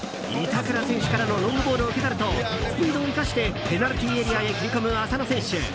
板倉選手からのロングボールを受け取るとスピードを生かしてペナルティーエリアへ切り込む浅野選手。